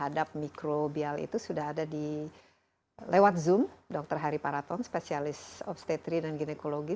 ada di lewat zoom dr hari paraton spesialis obstetri dan ginekologi